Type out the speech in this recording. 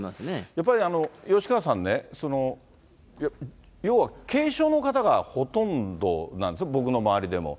やっぱり吉川さんね、要は軽症の方がほとんどなんですよね、僕の周りでも。